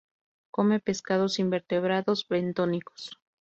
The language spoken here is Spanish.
Come pescados y invertebrados bentónicos.